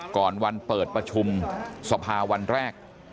ก่อนวันเปิดประชุมสภาวันแรก